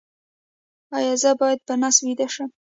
ایا زه باید په نس ویده شم؟